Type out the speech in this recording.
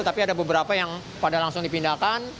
tapi ada beberapa yang pada langsung dipindahkan